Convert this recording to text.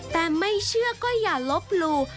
แต่ไม่เชื่อก็อย่าลบหลู่